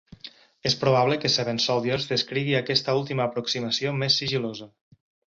És probable que "Seven Soldiers" descrigui aquesta última aproximació més sigil·losa.